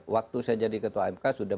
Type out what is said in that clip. waktu saya jadi ketua mk sudah